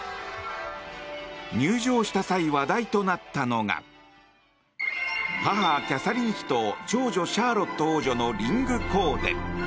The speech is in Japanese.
入場した際、話題となったのが母キャサリン妃と長女シャーロット王女のリンクコーデ。